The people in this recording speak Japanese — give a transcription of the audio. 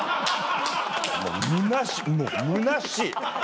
もうむなしくむなしい。